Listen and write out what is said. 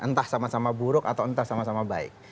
entah sama sama buruk atau entah sama sama baik